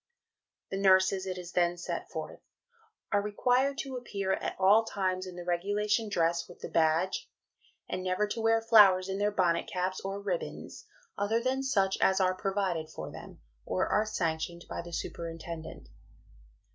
The nurses, it is then set forth, "are required to appear at all times in the regulation dress with the badge, and never to wear flowers in their bonnet caps, or ribbons, other than such as are provided for them, or are sanctioned by the superintendent."